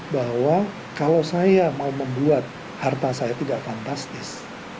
bahwa kalau saya mau membuat harta saya tidak fantastis